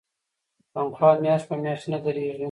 تنخوا میاشت په میاشت نه دریږي.